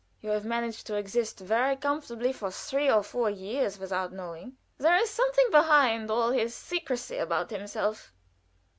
"You have managed to exist very comfortably for three or four years without knowing." "There is something behind all his secrecy about himself."